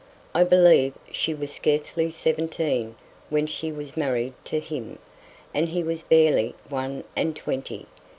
I believe she was scarcely seventeen when she was married to him: and he was barely one and twenty.